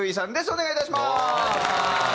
お願いいたします！